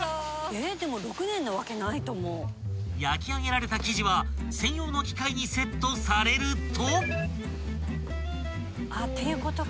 ［焼き上げられた生地は専用の機械にセットされると］